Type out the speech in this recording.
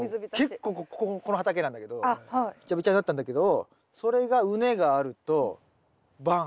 結構この畑なんだけどビチャビチャになったんだけどそれが畝があるとバン！